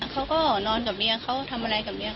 เขาก็นอนกับเมียเขาทำอะไรกับเมีย